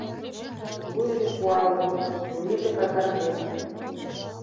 Вуйжо пуалын, чурийже какарген.